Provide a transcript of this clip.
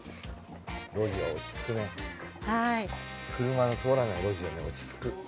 車の通らない路地は落ち着く。